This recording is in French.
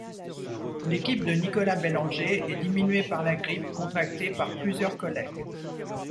L'équipe de Nicolas Bellanger est diminuée par la grippe contractée par plusieurs collègues.